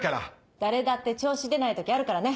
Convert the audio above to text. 誰だって調子出ない時あるからね。